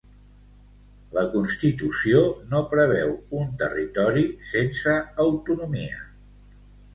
La constitució no preveu un territori sense autonomia.